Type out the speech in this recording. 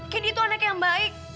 candy tuh anak yang baik